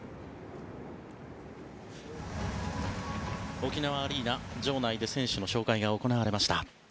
沖縄アリーナは場内で選手の紹介が行われました。